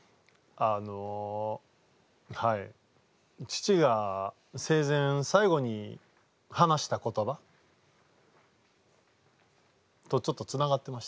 父が生前最後に話した言葉とちょっとつながってまして。